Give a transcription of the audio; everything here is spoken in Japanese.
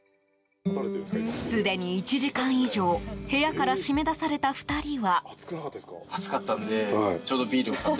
すでに１時間以上部屋から締め出された２人は。